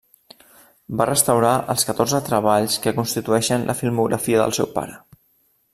Va restaurar els catorze treballs que constitueixen la filmografia del seu pare.